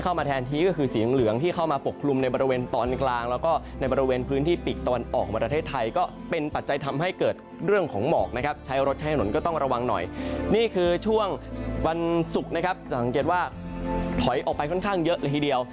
วันศุกร์นะครับจะสังเกตว่าถอยออกไปค่อนข้างเยอะละทีเดียว